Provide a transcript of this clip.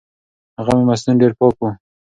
هغه مېلمستون ډېر پاک و.